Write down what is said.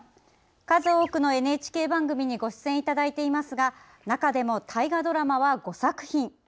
数多くのＮＨＫ番組にご出演いただいていますが中でも大河ドラマは５作品。